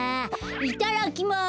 いただきます！